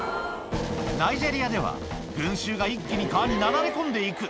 ナイジェリアでは、群衆が一気に川に流れ込んでいく。